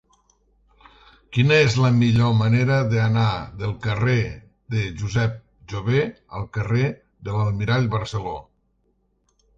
Quina és la millor manera d'anar del carrer de Josep Jover al carrer de l'Almirall Barceló?